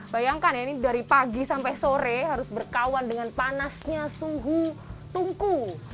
bayangkan ya ini dari pagi sampai sore harus berkawan dengan panasnya suhu tungku